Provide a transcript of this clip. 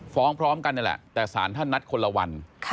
ฟ้องพร้อมกันนี่แหละแต่ศาลนั้นนัดคนละวัน